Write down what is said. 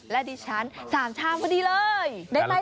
และดิฉัน๓ชามก็ดีเลย